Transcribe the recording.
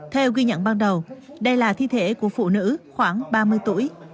theo ghi nhận ban đầu đây là thi thể của phụ nữ khoảng ba mươi tuổi